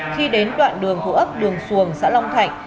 khi đến đoạn đường thủ ấp đường xuồng xã long thạnh